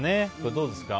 どうですか？